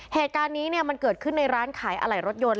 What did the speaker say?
เหตุการณ์นี้มันเกิดขึ้นในร้านขายอะไหล่รถยนต์